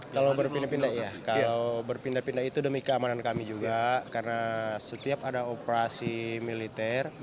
kalau berpindah pindah itu demi keamanan kami juga karena setiap ada operasi militer